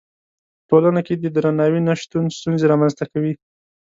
په ټولنه کې د درناوي نه شتون ستونزې رامنځته کوي.